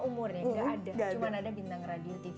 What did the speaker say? umurnya enggak ada ada bintang radio tv